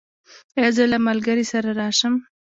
ایا زه له ملګري سره راشم؟